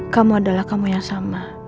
kamu adalah kamu yang sama